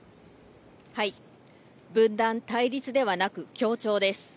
分断・対立ではなく協調です。